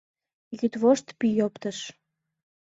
Йӱдвошт пий оптыш.